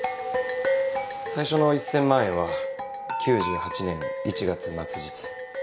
最初の１０００万円は９８年１月末日。